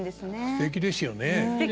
すてきですよね。